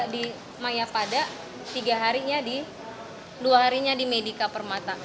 lima puluh tiga di mayapada tiga harinya di dua harinya di medika permata